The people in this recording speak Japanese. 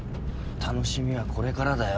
楽しみはこれからだよ。